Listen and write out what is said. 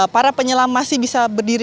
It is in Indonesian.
para penyelam masih bisa berdiri